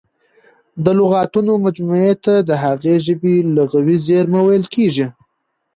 د لغاتونو مجموعې ته د هغې ژبي لغوي زېرمه ویل کیږي.